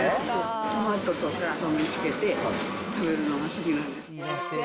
トマトとか、そうめんにつけて食べるのが好きなんです。